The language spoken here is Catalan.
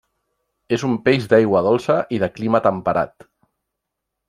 És un peix d'aigua dolça i de clima temperat.